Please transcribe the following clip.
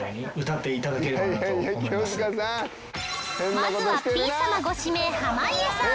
まずはピン様ご指名濱家さん。